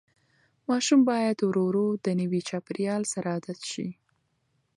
ماشوم باید ورو ورو د نوي چاپېریال سره عادت شي.